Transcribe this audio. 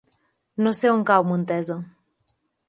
No sé on cau Montesa.